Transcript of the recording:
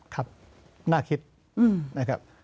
ครับน่าคิดนะครับ